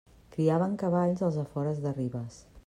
Criaven cavalls als afores de Ribes.